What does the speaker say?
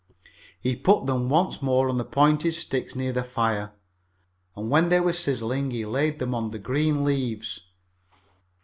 He put them once more on the pointed sticks near the fire, and when they were sizzling he laid them on the green leaves.